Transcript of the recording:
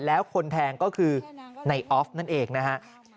แล้วคนแทงก็คือในออฟนั่นเองนะฮะ